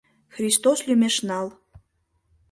Христос лӱмеш нал.